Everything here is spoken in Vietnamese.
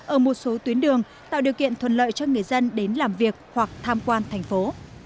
ở một số tuyến đường tạo điều kiện thuận lợi cho người dân đến làm việc hoặc tham quan thành phố